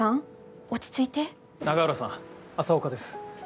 永浦さん、朝岡です。